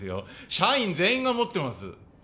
社員全員が持ってます